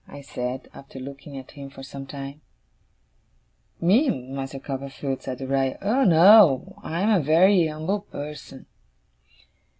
I said, after looking at him for some time. 'Me, Master Copperfield?' said Uriah. 'Oh, no! I'm a very umble person.